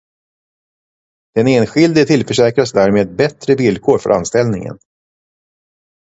Den enskilde tillförsäkras därmed bättre villkor för anställningen.